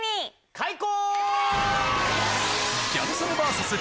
開講！